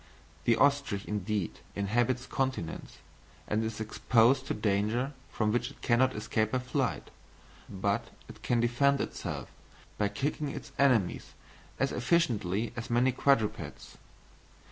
The ostrich indeed inhabits continents, and is exposed to danger from which it cannot escape by flight, but it can defend itself, by kicking its enemies, as efficiently as many quadrupeds.